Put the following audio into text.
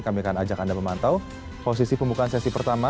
kami akan ajak anda memantau posisi pembukaan sesi pertama